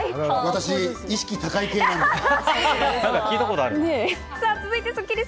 私、意識高い系なので。